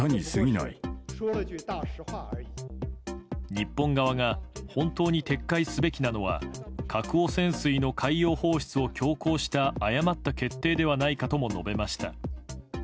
日本側が本当に撤回すべきなのは核汚染水の海洋放出を強行した誤った決定ではないかとも述べました。